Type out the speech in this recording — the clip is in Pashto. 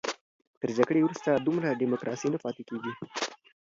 تر جګړې وروسته دومره ډیموکراسي نه پاتې کېږي.